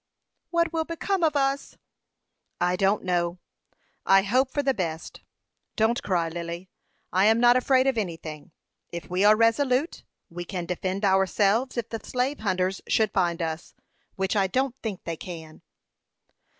"What will become of us?" "I don't know. I hope for the best. Don't cry, Lily. I am not afraid of any thing. If we are resolute, we can defend ourselves if the slave hunters should find us, which I don't think they can."